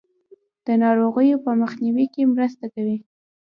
د ناروغیو په مخنیوي کې مرسته کوي.